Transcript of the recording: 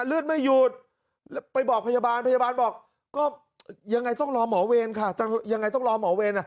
เลือดไม่หยุดไปบอกพยาบาลพยาบาลบอกก็ยังไงต้องรอหมอเวรค่ะยังไงต้องรอหมอเวรอ่ะ